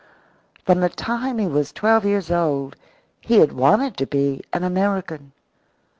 From the time he was twelve years old he had wanted to be an American.